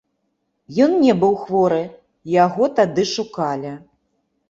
Ён не быў хворы, яго тады шукалі.